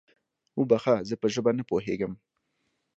وبخښه، زه په ژبه نه پوهېږم؟